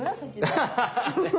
アハハハ。